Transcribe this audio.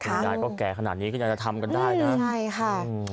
คุณนายก็แก่ขนาดนี้ก็ยังจะทำกันได้นะ